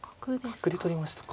角で取りましたか。